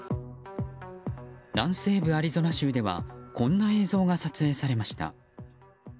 南西部アリゾナ州ではこんな映像が撮影されました。